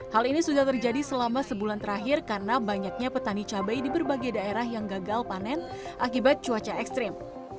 hal ini sudah terjadi selama sebulan terakhir karena banyaknya petani cabai di berbagai daerah yang gagal panen akibat cuaca ekstrim